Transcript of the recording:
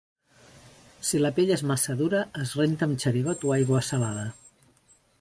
Si la pell és massa dura, es renta amb xerigot o aigua salada.